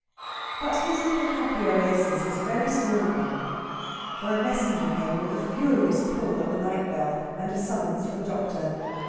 But his little happy oasis was a very small one. For a messenger came with a furious pull at the night bell and a summons for the doctor.